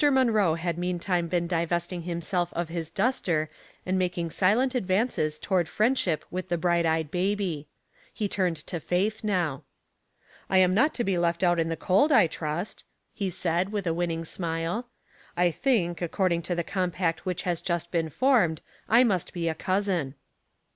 Manroe had meantime been divesting himself of his duster and making silent advances toward friendship with the bright eyed baby. He turned to Faith now. " I am not to be left out in the cold I trust,'* he said, with a winning smile. " I think, ao Puzzling People, 203 cording to the compact which has just been formed, I must be a cousin."